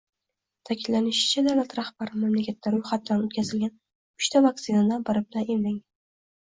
Ta’kidlanishicha, davlat rahbari mamlakatda ro‘yxatdan o‘tkazilgan uchta vaksinadan biri bilan emlangan